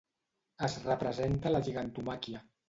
Es representa la gigantomàquia.